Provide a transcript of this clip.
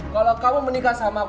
kalau kamu menikah sama